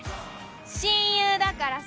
親友だからさ！